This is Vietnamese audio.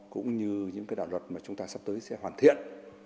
cũng như những đạo luật mà chúng ta sắp tới sẽ hoàn thiện